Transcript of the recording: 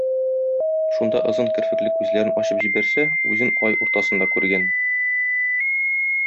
Шунда озын керфекле күзләрен ачып җибәрсә, үзен ай уртасында күргән.